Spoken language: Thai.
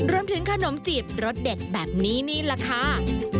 รวมถึงขนมจีบรสเด็ดแบบนี้นี่แหละค่ะ